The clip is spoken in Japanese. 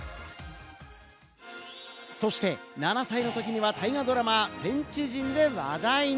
そして７歳のときには大河ドラマ『天地人』で話題に。